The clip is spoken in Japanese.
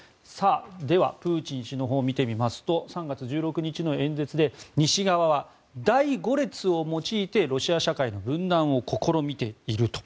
ではプーチン氏のほうを見てみますと３月１６日の演説で西側は第五列を用いてロシア社会の分断を試みていると。